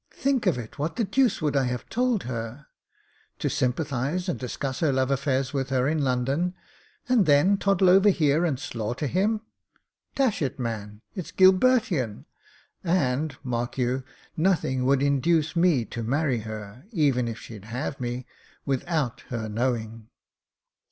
Think of it! What the deuce would I have told her? To sympa THE MOTOR GUN 47 thise and discuss her love affairs with her in London, and then toddle over here and slaughter him. Dash ity man, it's Gilbertian! And, mark you, nothing would induce me to marry her — even if she'd have me — ^without her knowing."